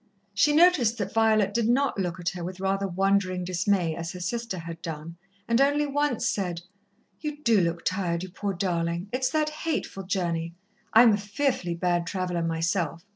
She noticed that Violet did not look at her with rather wondering dismay, as her sister had done, and only once said: "You do look tired, you poor darling! It's that hateful journey. I'm a fearfully bad traveller myself.